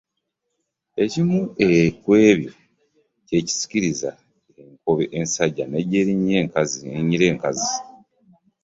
Ekimu ku ebyo kye kisikiriza enkobe ensajja n’ejja n’erinnyira enkazi.